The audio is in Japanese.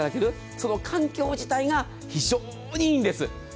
その環境自体が非常にいいんです。